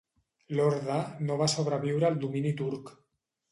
L'orde no va sobreviure el domini turc.